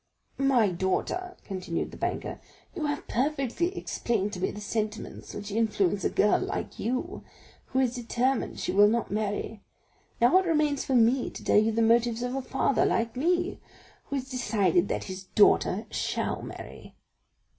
"My daughter," continued the banker, "you have perfectly explained to me the sentiments which influence a girl like you, who is determined she will not marry; now it remains for me to tell you the motives of a father like me, who has decided that his daughter shall marry."